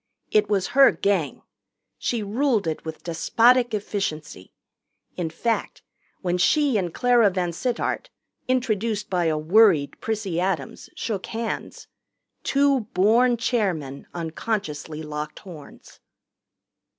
It was her Gang. She ruled it with despotic efficiency. In fact, when she and Clara VanSittart, introduced by a worried Prissy Adams, shook hands, two born chairmen unconsciously locked horns.